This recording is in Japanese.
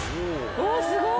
おぉすごい！